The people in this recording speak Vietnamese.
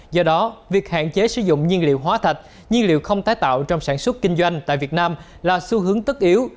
do đó việc hạn chế sử dụng nhiên liệu hóa thạch nhiên liệu không tái tạo trong sản xuất kinh doanh tại việt nam là xu hướng tất yếu